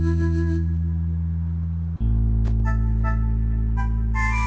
apakah itu karena fabrin lima ribu